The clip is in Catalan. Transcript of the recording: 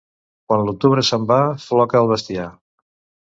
Quan l'octubre se'n va, floca el bestiar.